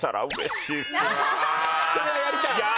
それはやりたい？